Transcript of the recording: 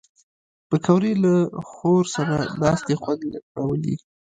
پکورې له خور سره ناستې خوند راولي